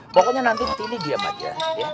pokoknya nanti pilih dia aja ya